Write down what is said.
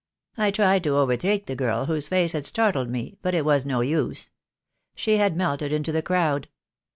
I tried to overtake the girl whose face had startled me, but it was no use. She had melted into the THE. DAY WILL COME. 20J crowd.